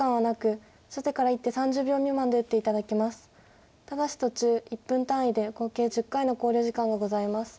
ただし途中１分単位で合計１０回の考慮時間がございます。